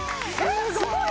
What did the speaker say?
すごい！